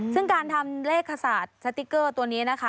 ซึ่งการทำเลขขศาสตร์สติ๊กเกอร์ตัวนี้นะคะ